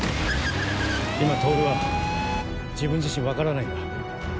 今透は自分自身分からないんだ。